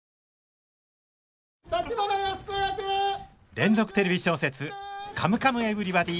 連続テレビ小説「カムカムエヴリバディ」！